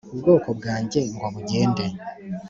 Ubwoko bwanjye ngo bugende